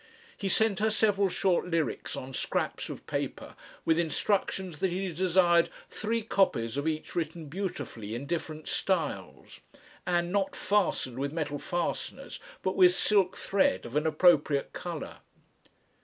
He sent her several short lyrics on scraps of paper with instructions that he desired "three copies of each written beautifully in different styles" and "not fastened with metal fasteners but with silk thread of an appropriate colour."